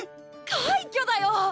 快挙だよ！